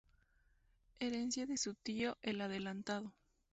Herencia de su tío El Adelantado.